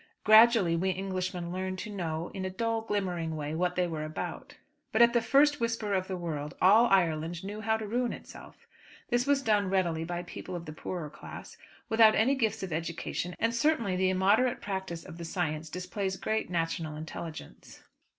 Gradually we Englishmen learned to know in a dull glimmering way what they were about; but at the first whisper of the word all Ireland knew how to ruin itself. This was done readily by people of the poorer class, without any gifts of education, and certainly the immoderate practice of the science displays great national intelligence.